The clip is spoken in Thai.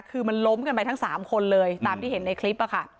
คือมันล้มกันไปทั้ง๓คนเลยตามที่เห็นในคลิปค่ะ